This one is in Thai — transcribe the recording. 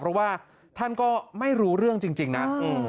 เพราะว่าท่านก็ไม่รู้เรื่องจริงนะ